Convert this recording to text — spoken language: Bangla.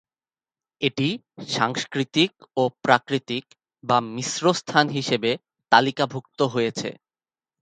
এটি সাংস্কৃতিক ও প্রাকৃতিক বা মিশ্র স্থান হিসেবে তালিকাভূক্ত হয়েছে।